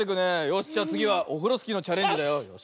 よしじゃあつぎはオフロスキーのチャレンジだよ。